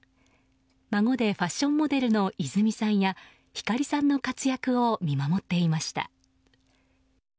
孫でファッションモデルの泉さんや星さんの活躍を見守っていました。